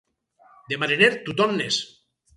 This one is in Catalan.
De mariner tothom n'és.